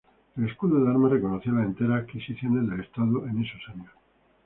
El escudo de armas reconocía las enteras adquisiciones del estado en esos años.